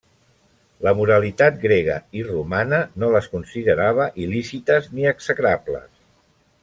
La moralitat grega i romana no les considerava il·lícites ni execrables.